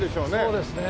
そうですね。